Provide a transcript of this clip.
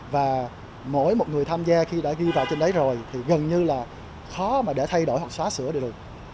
và mỗi một người tham gia khi đã ghi vào trên đấy rồi thì gần như là khó mà để thay đổi hoặc xóa sửa được